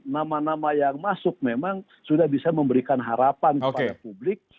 nama nama yang masuk memang sudah bisa memberikan harapan kepada publik